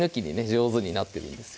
上手になってるんですよ